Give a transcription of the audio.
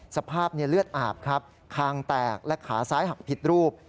สภาพเลือดอาบครับคางแตกและขาซ้ายหักผิดรูป